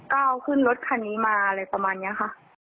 ก็เอาขึ้นรถคันนี้มาอะไรประมาณนี้ค่ะ